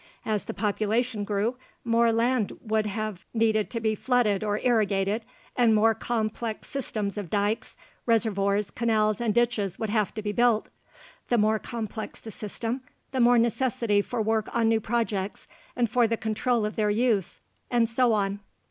As the population grew, more land would have needed to be flooded or irrigated, and more complex systems of dikes, reservoirs, canals, and ditches would have been built. The more complex the system, the more necessity for work on new projects and for the control of their use.... And so on....